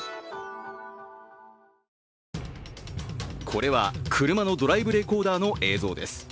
これは車のドライブレコーダーの映像です。